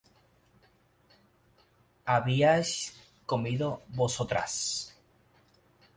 ¿habíais comido vosotras?